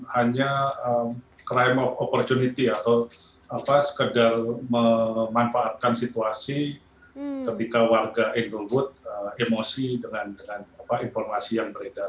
hanya crime of opportunity atau sekedar memanfaatkan situasi ketika warga anglewood emosi dengan informasi yang beredar